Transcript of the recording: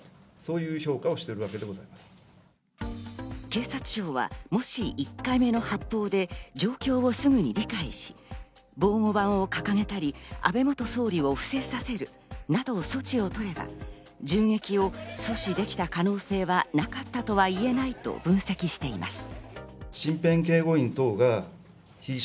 警察庁は、もし１回目の発砲で状況をすぐに理解し、防護板を掲げたり、安倍元総理を伏せさせるなどの措置をとれば銃撃を阻止できた可能性はなかったとはいえないと分析しています。